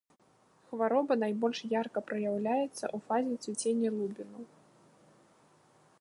Хвароба найбольш ярка праяўляецца ў фазе цвіцення лубіну.